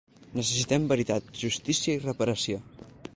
Necessitem veritat, justícia i reparació.